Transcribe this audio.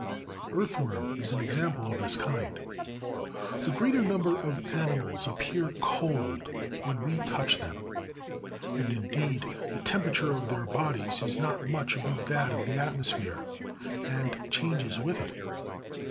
The earth worm is an example of this kind. OF ANIMAL HFAT. 39. The greater number of animals appear cold when we touch them, and indeed, the temperature of their bodies is not much above that of the atmosphere, and changes with it.